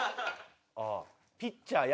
「ピッチャーや」